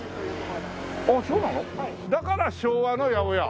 だから「昭和の八百屋」！